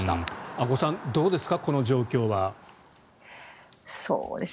阿古さんどうですか、この状況は。